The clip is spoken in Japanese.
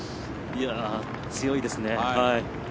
強いですね。